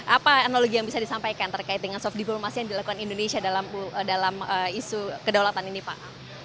apa analogi yang bisa disampaikan terkait dengan soft diplomasi yang dilakukan indonesia dalam isu kedaulatan ini pak